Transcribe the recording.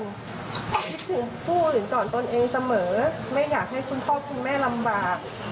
คิดถึงผู้อื่นก่อนตนเองเสมอไม่อยากให้คุณพ่อคุณแม่ลำบาก